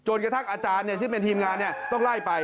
โจทย์กระทักอาจารย์ที่เป็นทีมงานว่าต้องไล่ต่อไป